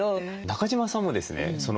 中島さんもですね